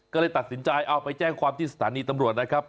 ก็เลยตัดสินใจเอาไปแจ้งความที่สถานีตำรวจนะครับ